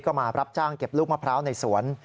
ก็มารับจ้างเก็บลูกมะพร้าวในสวน